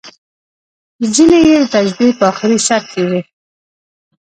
ځینې یې د تشبیه په اخري سر کې وو.